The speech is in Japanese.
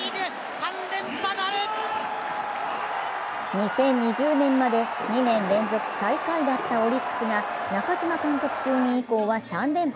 ２０２０年まで２年連続最下位だったオリックスが中嶋監督就任以降は３連覇。